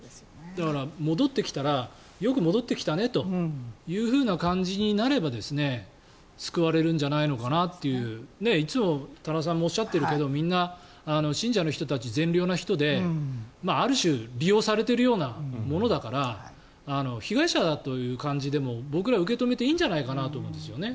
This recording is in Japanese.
だから戻ってきたらよく戻ってきたねという感じになれば救われるんじゃないのかなといういつも多田さんもおっしゃっているけどみんな信者の人たち善良な人である種利用されているようなものだから被害者だという感じで僕らは受け止めていいんじゃないかと思うんですね。